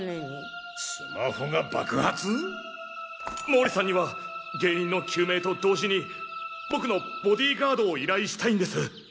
毛利さんには原因の究明と同時に僕のボディーガードを依頼したいんです！